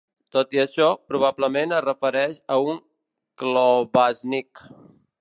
Tot i això, probablement es refereix a un klobásník.